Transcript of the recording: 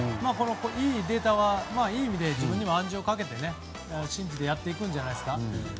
いいデータはいい意味で自分にも暗示をかけて信じてやっていくんじゃないですか。